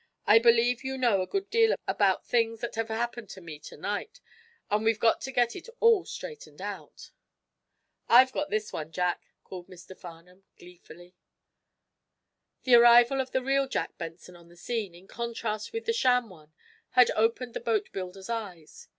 "I believe you know a good deal about things that have happened to me to night, and we've got to get it all straightened out." "I've got this one, Jack," called Mr. Farnum, gleefully. The arrival of the real Jack Benson on the scene, in contrast with the sham one, had opened the boatbuilder's eyes.